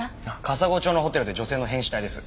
かさご町のホテルで女性の変死体です。